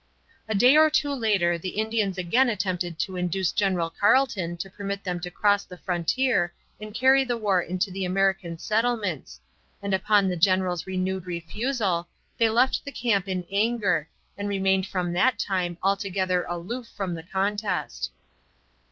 A day or two later the Indians again attempted to induce General Carleton to permit them to cross the frontier and carry the war into the American settlements, and upon the general's renewed refusal they left the camp in anger and remained from that time altogether aloof from the contest.